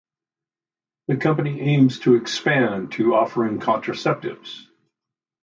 The company aims to expand to offering contraceptives.